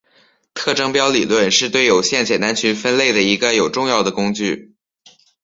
特征标理论是对有限简单群分类的一个有重要的工具。